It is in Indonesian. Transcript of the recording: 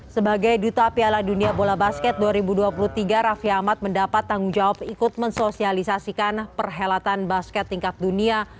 sebagai duta piala dunia bola basket dua ribu dua puluh tiga raffi ahmad mendapat tanggung jawab ikut mensosialisasikan perhelatan basket tingkat dunia